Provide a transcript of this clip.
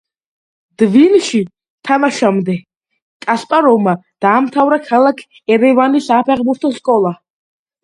დვინში თამაშამდე, კასპაროვმა დაამთავრა ქალაქ ერევანის საფეხბურთო სკოლა.